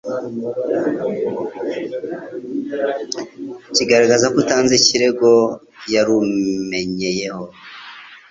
kigaragaza ko utanze ikirego yarumenyeyeho